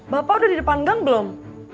bapak udah di depan gang belum